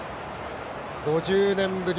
５０年ぶり